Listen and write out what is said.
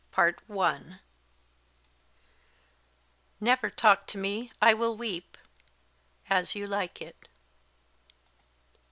CHAPTER XIII. "Never talk to me; I will weep." _As You Like It.